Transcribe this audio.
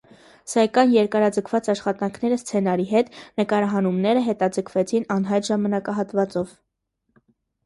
Սակայն երկարաձգված աշխատանքները սցենարի հետ, նկարահանումները հետձգվեցին անհայտ ժամանակահատվածով։